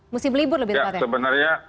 musim libur lebih tegas ya